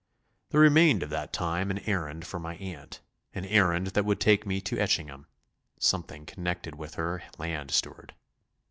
There remained of that time an errand for my aunt, an errand that would take me to Etchingham; something connected with her land steward.